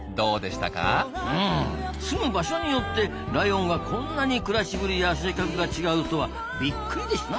うん住む場所によってライオンがこんなに暮らしぶりや性格が違うとはビックリですな。